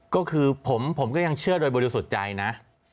ก็คือผมก็ยังเชื่อโดยบริสุทธิ์ใจนะ